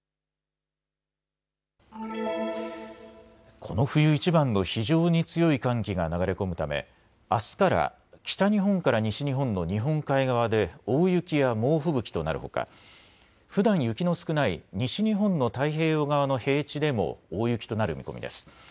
この冬いちばんの非常に強い寒気が流れ込むためあすから北日本から西日本の日本海側で大雪や猛吹雪となるほかふだん雪の少ない西日本の太平洋側の平地でも大雪となる見込みです。